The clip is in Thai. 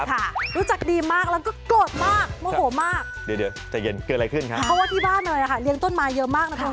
เพราะว่าที่บ้านเลยค่ะเลี้ยงต้นไม้เยอะมากนะครับ